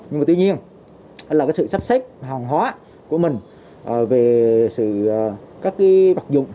nhưng mà tuy nhiên là sự sắp xếp hòn hóa của mình về các bạc dụng